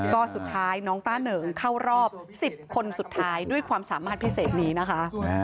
ก็สุดท้ายน้องต้าเหนิงเข้ารอบ๑๐คนสุดท้ายด้วยความสามารถพิเศษนี้นะคะ